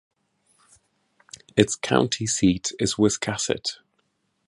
Its county seat is Wiscasset.